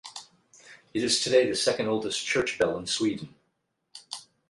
It is today the second oldest church bell in Sweden.